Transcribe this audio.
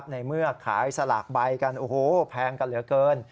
ในเมื่อขายสลากใบกันโอ้โหแพงกันเหลือเกิน